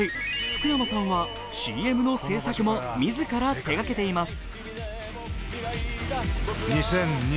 福山さんは、ＣＭの制作も自ら手がけています。